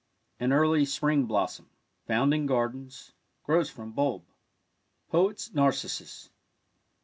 An early spring blossom— found in gardens — grows from bulb. Poet's Narcissus.